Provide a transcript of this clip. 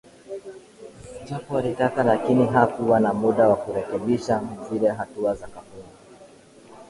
Japo alitaka lakini hakuwa na muda wa kurekebisha zile hatua sakafuni